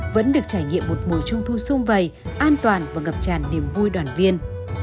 vẫn được trải nghiệm một mùa trung thu xung vầy an toàn và ngập tràn niềm vui đoàn viên